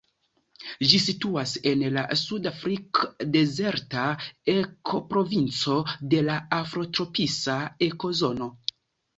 Ĝi situas en la sudafrik-dezerta ekoprovinco de la afrotropisa ekozono.